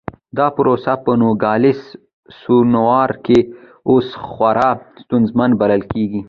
دا پروسه په نوګالس سونورا کې اوس خورا ستونزمنه بلل کېږي.